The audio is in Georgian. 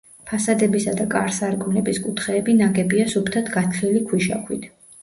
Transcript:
ფასადებისა და კარ-სარკმლების კუთხეები ნაგებია სუფთად გათლილი ქვიშაქვით.